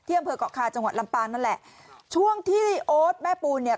อำเภอกเกาะคาจังหวัดลำปางนั่นแหละช่วงที่โอ๊ตแม่ปูนเนี่ย